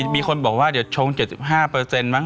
แม่บ้านพระจันทร์บ้าน